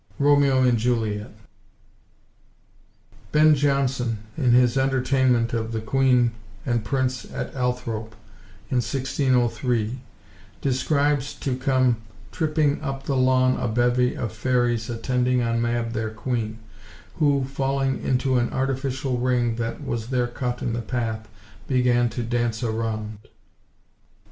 (Romeo and Juliet.) Ben Jonson, in his "Entertainment of the Queen and Prince at Althrope," in 1603, describes to come "tripping up the lawn a bevy of fairies attending on Mab their queen, who, falling into an artificial ring that was there cut in the path, began to dance around."